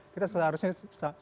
kita seharusnya sudah sangat berdua